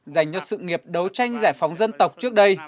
dành cho sự nghiệp đấu tranh giải phóng dân tộc trước đây